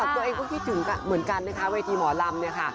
ตัวเองก็คิดถึงเหมือนกันนะคะเวทีหมอลำเนี่ยค่ะ